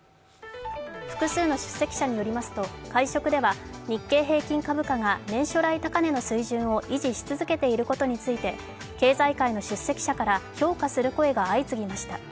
複数の出席者によると解消では日経平均株価が年初来高値の水準を維持し続けていることについて経済界の出席者から評価する声が相次ぎました。